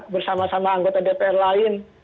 bersama sama anggota dpr lain